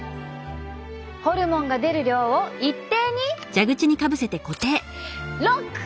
ホルモンが出る量を一定にロック！